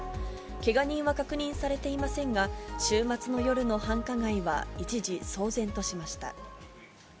けが人は確認されていませんが、週末の夜の繁華街は一時騒然としました。